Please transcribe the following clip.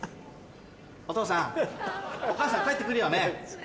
お父さんお母さん帰って来るよね？